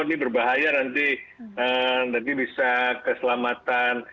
ini berbahaya nanti bisa keselamatan